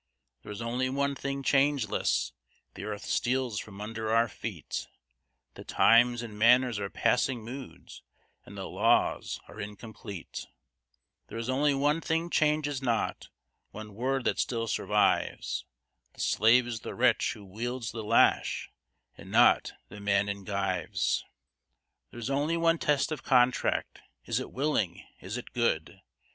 There is only one thing changeless: the earth steals from under our feet, The times and manners are passing moods, and the laws are incomplete; There is only one thing changes not, one word that still survives The slave is the wretch who wields the lash, and not the man in gyves! There is only one test of contract: is it willing, is it good?